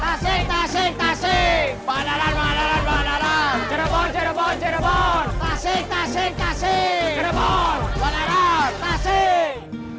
banaran banaran tasik tasik tasik banaran banaran banaran banaran jerobon jerobon jerobon tasik tasik tasik jerobon banaran tasik